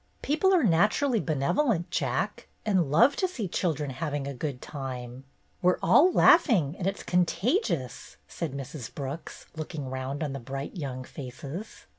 "People are naturally benevolent. Jack, HISTORY CLUB VISITS NEW YORK 243 and love to see children having a good time.'' "We're all laughing, and it's contagious," said Mrs. Brooks, looking round on the bright young faces.